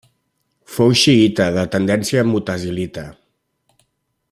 Fou xiïta de tendència mutazilita.